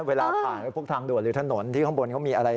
เวลาผ่านทางโดดหรือถนนที่ข้างบนมีอะไร